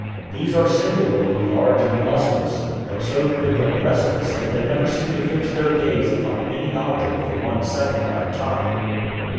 These are singularly large and lustrous, but so quick and restless that they never seem to fix their gaze upon any object for one second at a time.